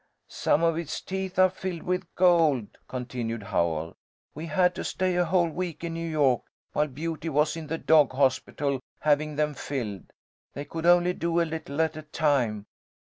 "Some of its teeth are filled with gold," continued Howell. "We had to stay a whole week in New York while Beauty was in the dog hospital, having them filled. They could only do a little at a time.